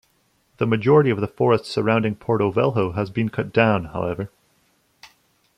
The majority of the forest surrounding Porto Velho has been cut down, however.